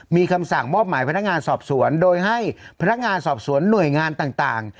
มีคำสั่งมอบหมายพนักงานสอบสวนโดยให้พนักงานสอบสวนหน่วยงานต่าง